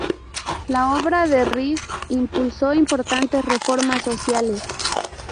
La obra de Riis impulsó importantes reformas sociales.